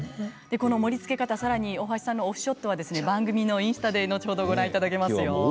この盛りつけ方更に大橋さんのオフショットは番組のインスタで後ほどご覧いただけますよ。